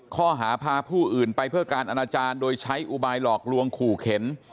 ข้อหาพาผู้อื่นไปเพื่อการอนาจารย์โดยใช้อุบายหลอกลวงขู่เข็น